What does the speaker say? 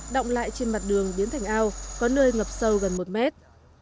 động lại trên mặt đường biến thành ao có nơi ngập sâu gần một mét